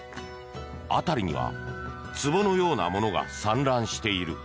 辺りにはつぼのようなものが散乱している。